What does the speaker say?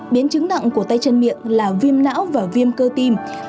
biến chứng nặng của tay chân miệng là viêm não và viêm cơ tim